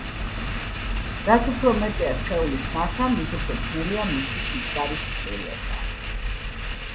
რაც უფრო მეტია სხეულის მასა, მით უფრო ძნელია მისი სიჩქარის ცვლილება